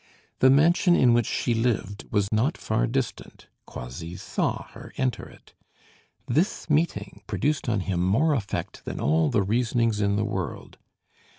The mansion in which she lived was not far distant; Croisilles saw her enter it. This meeting produced on him more effect than all the reasonings in the world.